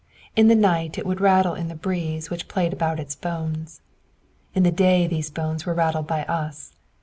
In the night it would rattle in the breeze which played about its bones. In the day these bones were rattled by us.